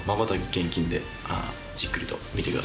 厳禁でじっくりと見てください。